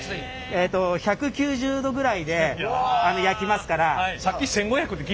えっと１９０℃ぐらいで焼きますから。